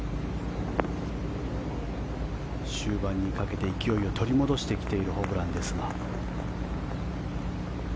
終盤にかけて勢いを取り戻してきているホブランですが。